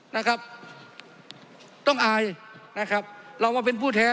นะครับต้องอายนะครับเรามาเป็นผู้แท้